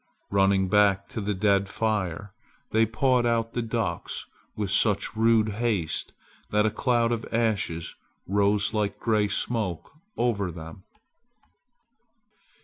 Running back to the dead fire, they pawed out the ducks with such rude haste that a cloud of ashes rose like gray smoke over them.